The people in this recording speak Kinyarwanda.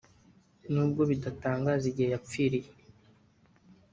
nubwo bidatangaza igihe yapfiriye